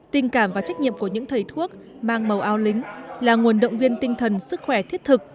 tình cảm và trách nhiệm của những thầy thuốc mang màu ao lính là nguồn động viên tinh thần sức khỏe thiết thực